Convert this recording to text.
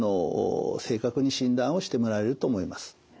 正確に診断をしてもらえると思います。